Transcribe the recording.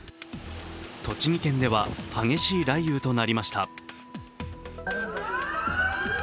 栃木県では激しい雷雨となりました。